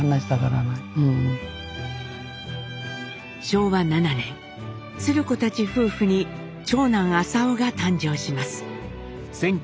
昭和７年鶴子たち夫婦に長男朝雄が誕生します。